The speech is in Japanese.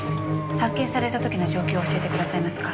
発見された時の状況を教えてくださいますか？